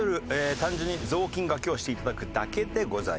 単純に雑巾掛けをして頂くだけでございます。